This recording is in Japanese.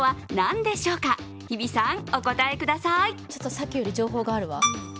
さっきより情報があるわ。